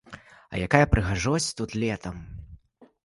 А якая прыгажосць тут летам!